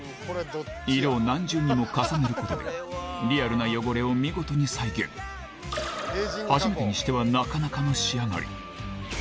色を何重にも重ねることでリアルな汚れを見事に再現初めてにしてはなかなかの仕上がり